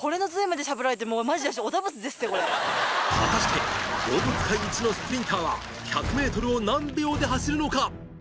果たして動物界一のスプリンターは１００ｍを何秒で走るのか？